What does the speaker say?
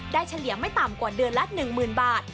เฉลี่ยไม่ต่ำกว่าเดือนละ๑๐๐๐บาท